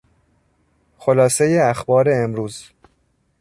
خلاصهی اخبار امروز